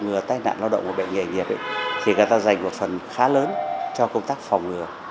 ngừa tai nạn lao động của bệnh nghề nghiệp thì người ta dành một phần khá lớn cho công tác phòng ngừa